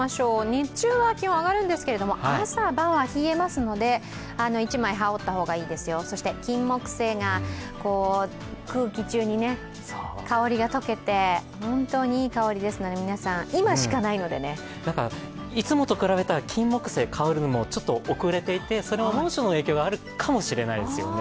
日中は気温が上がるんですが、朝晩は冷えますので１枚羽織った方がいいですよ、そして金もくせいが空気中に香りが溶けて、本当にいい香りですので、いつもと比べたら、キンモクセイが香るのもちょっと遅れていて、それは猛暑の影響があるかもしれないですよね。